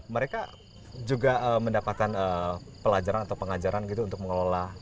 mereka juga mendapatkan pelajaran atau pengajaran gitu untuk mengelola